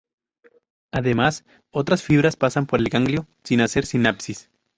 Además, otras fibras pasan por el ganglio sin hacer sinapsis.